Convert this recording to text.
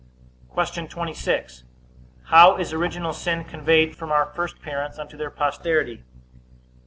Q. 26. How is original sin conveyed from our first parents unto their posterity?